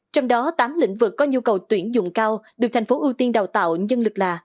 trong đó tám lĩnh vực có nhu cầu tuyển dụng cao được thành phố ưu tiên đào tạo nhân lực là